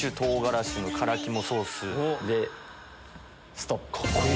ストップ！